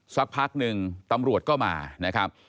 สักพักหนึ่งตำรวจก็มานะครับ